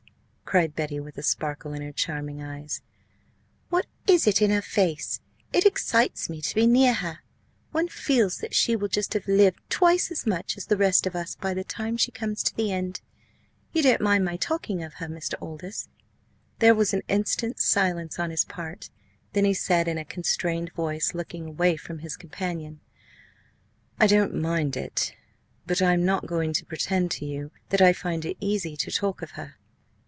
cried Betty, with a sparkle in her charming eyes; "what is it in her face? It excites me to be near her. One feels that she will just have lived twice as much as the rest of us by the time she comes to the end. You don't mind my talking of her, Mr. Aldous?" There was an instant's silence on his part. Then he said in a constrained voice, looking away from his companion, "I don't mind it, but I am not going to pretend to you that I find it easy to talk of her."